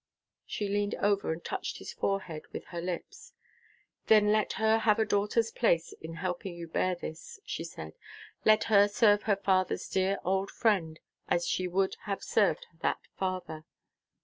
She leaned over and touched his forehead with her lips. "Then let her have a daughter's place in helping you bear this," she said. "Let her serve her father's dear, old friend as she would have served that father."